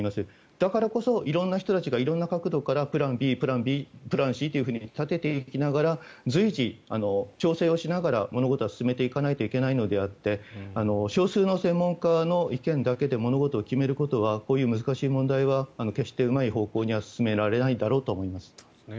だからこそ色んな人たちから色んな角度からプランＢ、プランＣと立てていきながら随時、調整しながら物事は進めていかないといけないのであって少数の専門家の意見だけで物事を決めることはこういう難しい問題は決してうまい方向に進められないだろうとは思います。